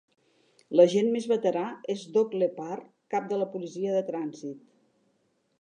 L'agent més veterà és Doug Lepard, cap de la policia de trànsit.